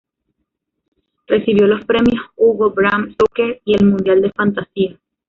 Recibió los premios Hugo, Bram Stoker y el Mundial de Fantasía.